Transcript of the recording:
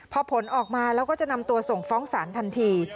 พอผลออกมาแล้วก็จะนำตัวส่งฟ้องศาลทันที